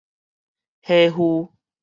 火烌